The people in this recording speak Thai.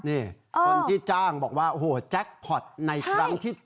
นี่คนที่จ้างบอกว่าโอ้โหแจ็คพอร์ตในครั้งที่๗